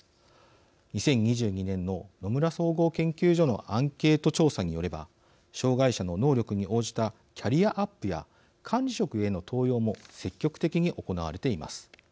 ２０２２年の野村総合研究所のアンケート調査によれば障害者の能力に応じたキャリアアップや管理職への登用も積極的に行われています。